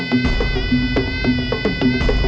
สวัสดีครับ